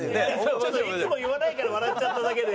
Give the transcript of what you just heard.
ちょっといつも言わないから笑っちゃっただけで。